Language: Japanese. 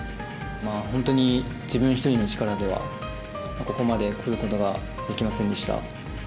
本当に自分１人の力ではここまでくることはできませんでした。